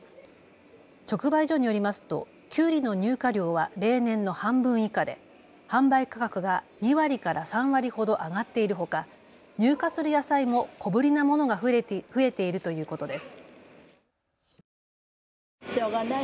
直売所によりますとキュウリの入荷量は例年の半分以下で販売価格が２割から３割ほど上がっているほか入荷する野菜も小ぶりなものが増えているということです。